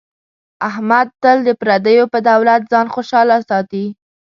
احمد تل د پردیو په دولت ځان خوشحاله ساتي.